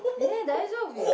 大丈夫よ。